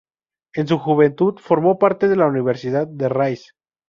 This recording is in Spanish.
En su juventud formó parte de la Universidad de Rice.